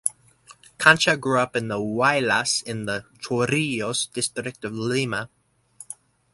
Concha grew up in Huaylas in the Chorrillos District of Lima.